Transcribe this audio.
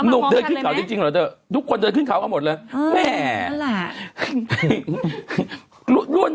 นกเดอดเขาที่กรรมเทอร์ทุกคนเดอดเข้าพักหมดเลย